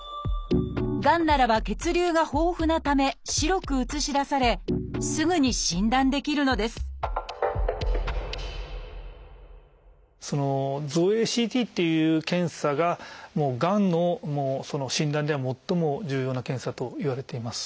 がんならば血流が豊富なため白く写し出されすぐに診断できるのです造影ＣＴっていう検査ががんの診断では最も重要な検査といわれています。